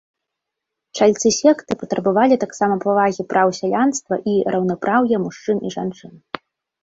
Чальцы секты патрабавалі таксама павагі праў сялянства і раўнапраўя мужчын і жанчын.